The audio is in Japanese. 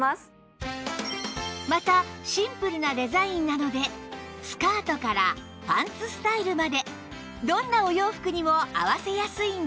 またシンプルなデザインなのでスカートからパンツスタイルまでどんなお洋服にも合わせやすいんです